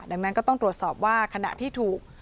ดังนั้นก็ต้องตรวจสอบว่าขณะที่ถูก